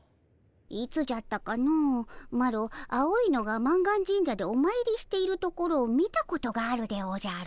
いつじゃったかのマロ青いのが満願神社でおまいりしているところを見たことがあるでおじゃる。